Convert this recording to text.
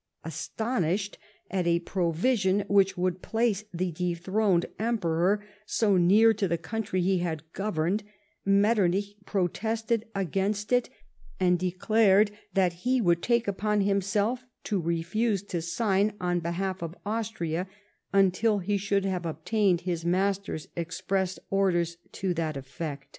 Astonished at a provision which would ])lace the dethroned Emperor so near to the country he had governed, Metternich protested against it, and declared that he would take u])on himself to refuse to sign on behalf of Austria until he should have obtained his master's express orders to that effect.